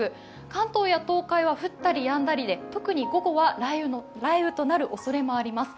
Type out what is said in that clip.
関東や東海は降ったりやんだりで、特に午後は雷雨となるおそれもあります。